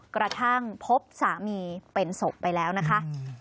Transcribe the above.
กระทั่งพบสามีเป็นศพไปแล้วนะคะ